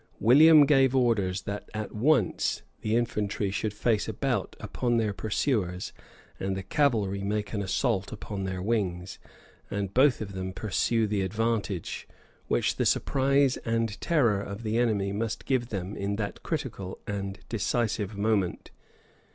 William gave orders, that at once the infantry should face about upon their pursuers, and the cavalry make an assault upon their wings, and both of them pursue the advantage, which the surprise and terror of the enemy must give them in that critical and decisive moment.